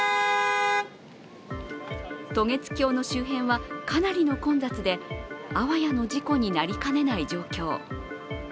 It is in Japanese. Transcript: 渡月橋の周辺はかなりの混雑であわやの事故になりかねない状況。